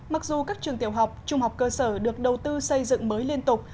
mặc dù các trường tiểu học trung học cơ sở được đầu tư xây dựng mới liên tục